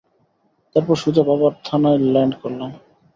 তারপর সোজা বাবার থানায় ল্যান্ড করলাম।